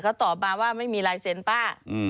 เขาตอบมาว่าไม่มีลายเซ็นต์ป้า